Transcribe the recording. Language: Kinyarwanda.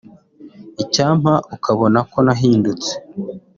“Icyampa ukabona ko nahindutse”